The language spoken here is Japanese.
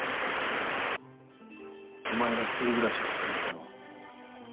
お前が１人暮らしを始めたのは？